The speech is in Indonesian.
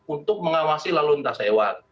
untuk mengawasi laluan tas hewan